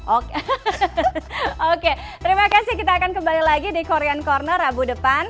oke oke terima kasih kita akan kembali lagi di korean corner rabu depan